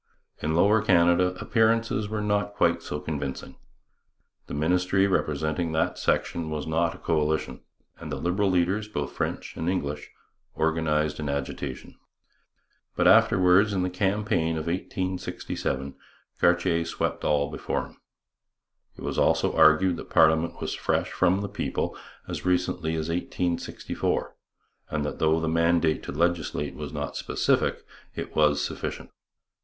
In Lower Canada appearances were not quite so convincing. The ministry representing that section was not a coalition, and the Liberal leaders, both French and English, organized an agitation. But afterwards, in the campaign of 1867, Cartier swept all before him. It was also argued that parliament was fresh from the people as recently as 1864, and that though the mandate to legislate was not specific, it was sufficient.